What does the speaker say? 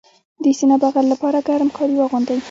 د سینه بغل لپاره ګرم کالي واغوندئ